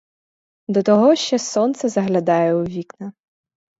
До того ще сонце заглядає у вікна.